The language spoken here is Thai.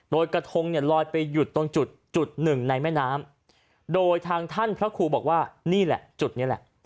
โดยกระทงเนี่ยลอยไปหยุดตรงจุดจุดหนึ่งในแม่น้ำโดยทางท่านพระครูบอกว่านี่แหละจุดนี้แหละ